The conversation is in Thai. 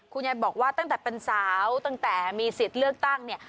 คุณยายบอกว่าตั้งแต่เป็นสาวตั้งแต่มีสิทธิ์เลือกตั้งเนี่ย